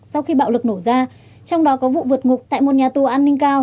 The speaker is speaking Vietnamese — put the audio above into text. sau khi bạo lực nổ ra trong đó có vụ vượt ngục tại một nhà tù an ninh cao